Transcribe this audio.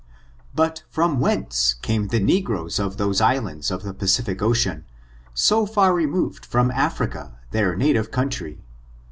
But from whence came the negroes of those islands of the Pacific Ocean, so far removed from Africa, their native country?